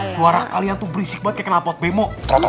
suara kalian tuh berisik banget kayak kenal pot bemo